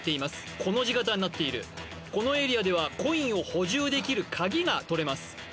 コの字形になっているこのエリアではコインを補充できるカギが取れます